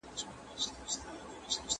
که زغم ولرو نو غوسه نه راځي.